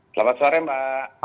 selamat sore mbak